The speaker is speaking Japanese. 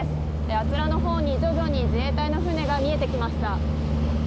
あちらのほうに徐々に自衛隊の船が見えてきました。